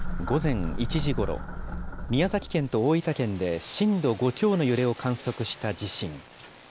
午前１時ごろ、宮崎県と大分県で震度５強の揺れを観測した地震。